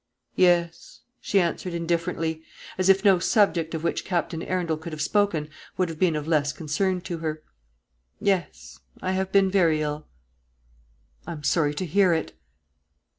"Yes," she answered indifferently; as if no subject of which Captain Arundel could have spoken would have been of less concern to her, "yes, I have been very ill." "I am sorry to hear it."